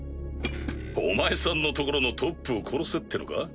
お前さんのところのトップを殺せってのか？